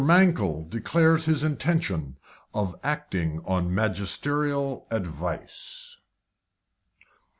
MANKELL DECLARES HIS INTENTION OF ACTING ON MAGISTERIAL ADVICE.